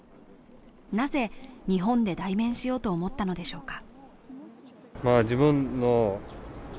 なぜ日本で代弁しようと思ったのでしょうか。